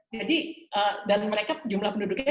jadi dan mereka jumlah penduduknya